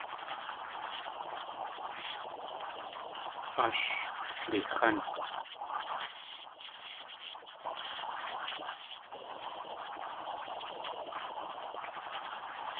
Áa sh dlix̲án.